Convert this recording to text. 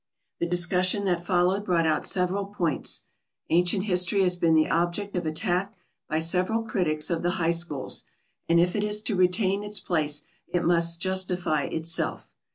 The discussion that followed brought out several points. Ancient History has been the object of attack by several critics of the high schools, and if it is to retain its place it must justify itself.